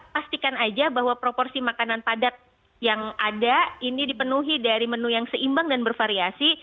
pastikan aja bahwa proporsi makanan padat yang ada ini dipenuhi dari menu yang seimbang dan bervariasi